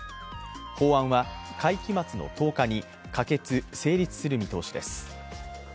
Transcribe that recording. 法案は会期末の１０日に可決・成立する見通しです。